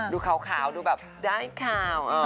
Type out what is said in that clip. ดูเข่าดูแบบได้ข่าวเอ่อ